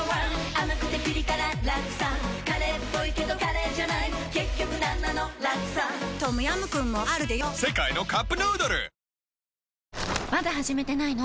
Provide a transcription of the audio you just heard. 甘くてピリ辛ラクサカレーっぽいけどカレーじゃない結局なんなのラクサトムヤムクンもあるでヨ世界のカップヌードルまだ始めてないの？